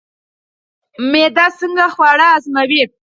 معده څنګه خواړه هضموي؟